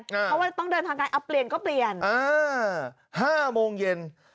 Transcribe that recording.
เพราะว่าต้องเดินทางไกลเอาเปลี่ยนก็เปลี่ยน๕โมงเย็น